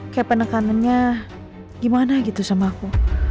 kayak penekanannya gimana gitu sama aku